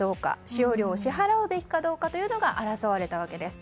使用料を支払うべきかどうかというのが争われたわけです。